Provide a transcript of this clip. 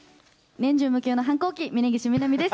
年中無休の反抗期、峯岸みなみです。